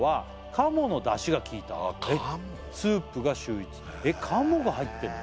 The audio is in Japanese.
「鴨のだしがきいたスープが秀逸」えっ鴨が入ってんの？